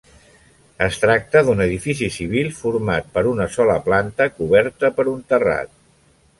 Es tracta d'un edifici civil format per una sola planta coberta per un terrat.